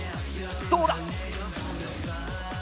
どうだ？